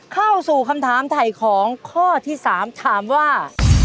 เข้าสู่คำถามถ่ายของข้อที่๓ถามว่า